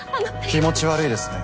気持ち悪いですね。